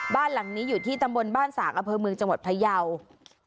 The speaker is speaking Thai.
บ้านหลังนี้อยู่ที่ตำบลบ้านสากอำเภอเมืองจังหวัดพยาว